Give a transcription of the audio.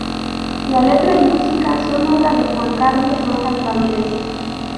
La letra y música son obra de Juan Carlos Rojas Ramírez.